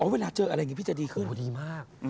เวลาเจออะไรอย่างนี้พี่จะดีขึ้นกว่าดีมาก